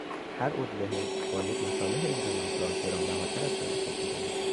هر عضو حزب باید مصالح انقلاب را گرانبهاتر از جان خود بداند.